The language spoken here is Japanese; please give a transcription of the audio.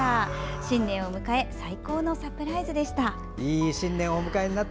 新年を迎え最高のサプライズでした。